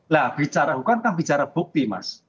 lah bicara hukum kan bicara bukti mas